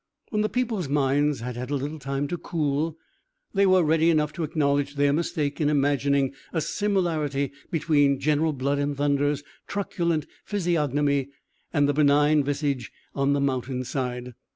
When the people's minds had had a little time to cool, they were ready enough to acknowledge their mistake in imagining a similarity between General Blood and Thunder's truculent physiognomy and the benign visage on the mountain side.